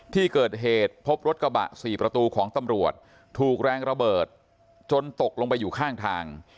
ที่เกิดเหตุพบรถกระบะ๔ประตูของตำรวจถูกแรงระเบิดจนตกลงไปอยู่ข้างทาง